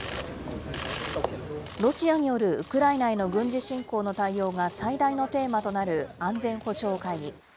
ロシアによるウクライナへの軍事侵攻の対応が最大のテーマとなる安全保障会議。